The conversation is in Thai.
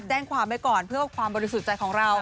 แจ้งความไว้ก่อนเพื่อความบริสุทธิ์ใจของเรา